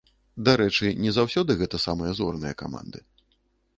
Дарэчы, не заўсёды гэта самыя зорныя каманды.